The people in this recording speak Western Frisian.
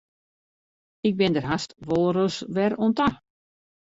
Ik bin der hast wolris wer oan ta.